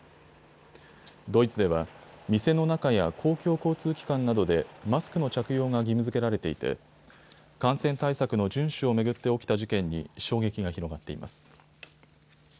ドイツでは店の中や公共交通機関などでマスクの着用が義務づけられていて感染対策の順守を巡って起きた事件に衝撃が広がっています。